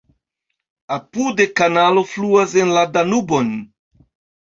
Apude kanalo fluas en la Danubon.